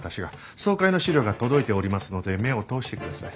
総会の資料が届いておりますので目を通してください。